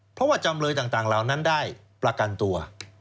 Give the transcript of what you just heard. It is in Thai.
เพราะว่าจำเลยต่างเหล่านั้นได้ประกันตัว